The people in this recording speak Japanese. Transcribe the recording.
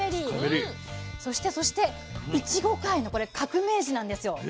そしてそしていちご界のこれ革命児なんですよ。